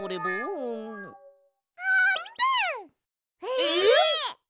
えっ！？